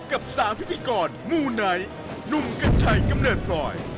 กับสามพิธีกรหมู่ไนท์หนุ่มกัศไชยกำเนิดปล่อย